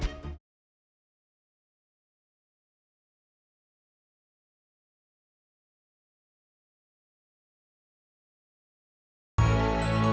kalau gue semakin emosi tanti malah tambah benci sama gue